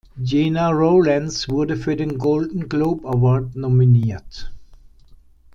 Gena Rowlands wurde für den Golden Globe Award nominiert.